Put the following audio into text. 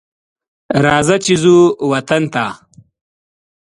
راځه چې ځو وطن ته